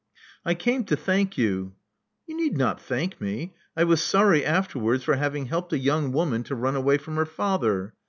•*I came to thank you " ^You need not thank me. I was sorry afterwards for having helped a young woman to run away from her father.